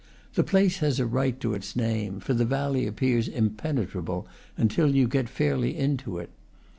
The place has a right to its name, for the valley appears impenetrable until you get fairly into it.